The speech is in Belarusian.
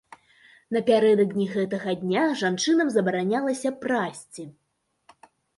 Напярэдадні гэтага дня жанчынам забаранялася прасці.